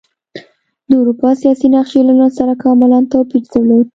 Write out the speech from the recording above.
د اروپا سیاسي نقشې له نن سره کاملا توپیر درلود.